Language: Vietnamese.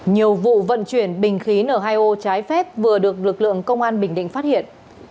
nhiều vụ vận chuyển bình khí n hai o trái phép vừa được lực lượng công an bình định phát hiện